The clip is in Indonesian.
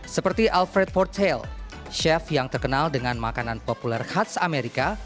seperti alfred portail chef yang terkenal dengan makanan populer khas amerika